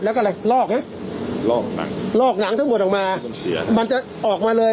แล้วก็อะไรลอกนะลอกหนังลอกหนังทั้งหมดออกมามันจะออกมาเลย